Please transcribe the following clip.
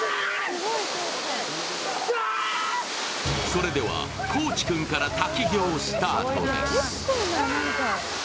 それでは高地君から滝行スタートです。